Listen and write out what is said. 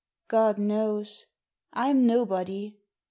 God knows. I'm nobody.